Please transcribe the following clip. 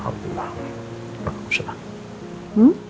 alhamdulillah bagus lah